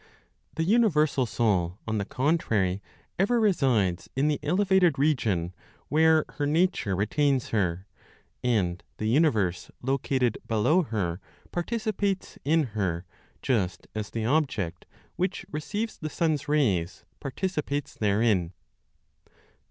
The universal Soul, on the contrary, ever resides in the elevated region where her nature retains her; and the universe located below her participates in her just as the object which receives the sun's rays participates therein.